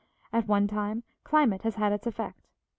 At one time climate has had its effect.